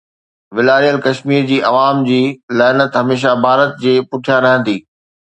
والاريل ڪشمير جي عوام جي لعنت هميشه ڀارت جي پٺيان رهندي